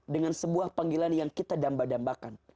dengan sebuah panggilan yang kita damba dambakan